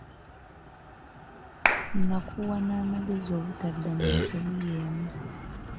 Nakuwa n’amagezi obutadda mu nsobi yeemu.